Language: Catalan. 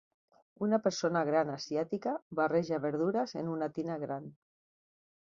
Una persona gran asiàtica barreja verdures en una tina gran